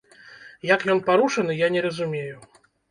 Як ён парушаны, я не разумею.